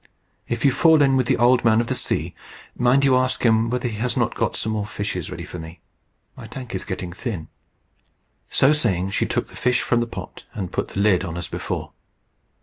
If you fall in with the Old Man of the Sea, mind you ask him whether he has not got some more fishes ready for me. My tank is getting thin." So saying, she took the fish from the pot, and put the lid on as before.